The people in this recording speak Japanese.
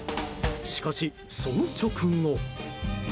しかし、その直後。